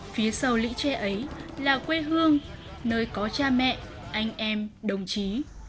phía sau lũy tre ấy là quê hương nơi có cha mẹ anh em đồng chí